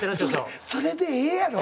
それでええやろ。